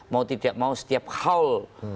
mau tidak mau setiap hal